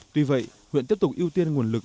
tuy vậy huyện tiếp tục ưu tiên nguồn lực